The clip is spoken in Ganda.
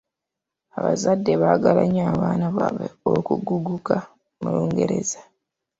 Abazadde baagala nnyo abaana baabwe okukuguka mu Lungereza.